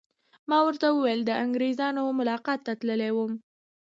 ما ورته وویل: د انګریزانو ملاقات ته تللی وم.